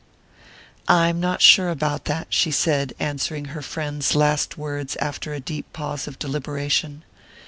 "I'm not sure about that," she said, answering her friend's last words after a deep pause of deliberation.